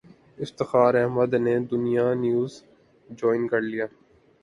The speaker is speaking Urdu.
افتخار احمد نے دنیا نیوز جوائن کر لیا